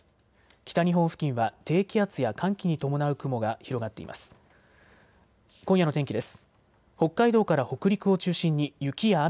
北日本付近は低気圧や寒気に伴う雲が広がっています。